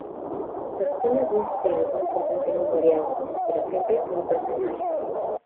Los temas de este álbum tratan temas variados, pero siempre muy personales.